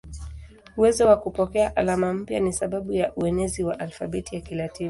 Uwezo wa kupokea alama mpya ni sababu ya uenezi wa alfabeti ya Kilatini.